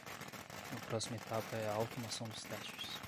A próxima etapa é a automação dos testes.